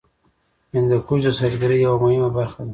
هندوکش د سیلګرۍ یوه مهمه برخه ده.